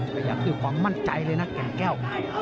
กระยับเอาความมั่นใจเลยนะแก่งแก้ว